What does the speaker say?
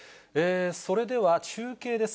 それでは中継です。